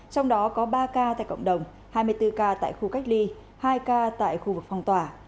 trong đó có ba ca tại cộng đồng hai mươi bốn ca tại khu cách ly hai ca tại khu vực phong tỏa